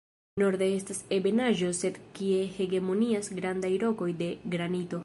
Norde estas ebenaĵo sed kie hegemonias grandaj rokoj de granito.